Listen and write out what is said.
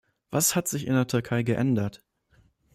Was hat sich in der Türkei geändert?